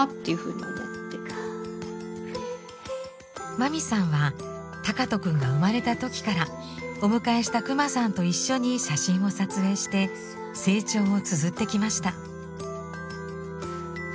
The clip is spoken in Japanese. まみさんは敬斗くんが生まれた時からお迎えしたクマさんと一緒に写真を撮影して成長をつづってきました。